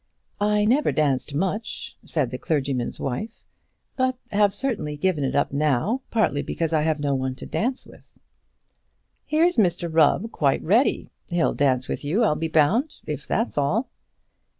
"I never danced much," said the clergyman's wife, "but have certainly given it up now, partly because I have no one to dance with." "Here's Mr Rubb quite ready. He'll dance with you, I'll be bound, if that's all."